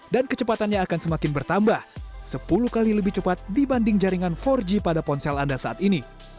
dan kecepatannya akan semakin bertambah sepuluh kali lebih cepat dibanding jaringan empat g pada ponsel anda saat ini